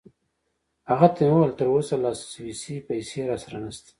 هغه ته مې وویل: تراوسه لا سویسی پیسې راسره نشته.